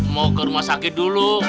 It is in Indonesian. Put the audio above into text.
mau ke rumah sakit dulu